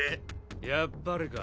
やっぱりか。